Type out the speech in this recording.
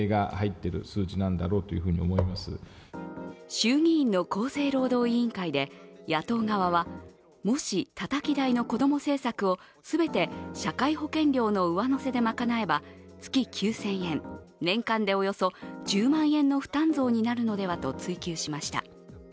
衆議院の厚生労働委員会で野党側はもし、たたき台の子ども政策を全て社会保険料の上乗せで賄えば月９０００円年間でおよそ１０万円の負担増になるのではと追及しました。